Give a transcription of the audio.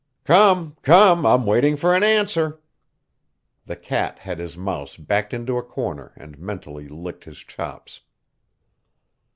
"Come! Come! I'm waitin' fer an answer," The cat had his mouse backed into a corner and mentally licked his chops.